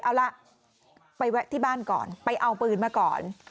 เอาล่ะไปแวะที่บ้านก่อนไปเอาปืนมาก่อน